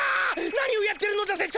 何をやってるのだ拙者は！